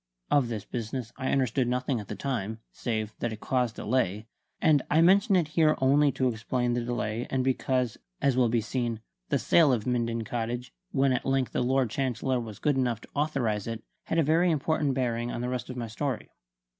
Of this business I understood nothing at the time, save that it caused delay; and I mention it here only to explain the delay and because (as will be seen) the sale of Minden Cottage, when at length the Lord Chancellor was good enough to authorize it, had a very important bearing on the rest of my story.